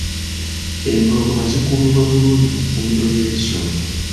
Empologoma zikuumibwa bulungi mu kkuumiro ly'ebisolo.